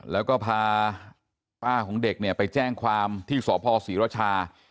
แล้วก็พากล้าของเด็กไปแจ้งความที่สศตรีศิรชา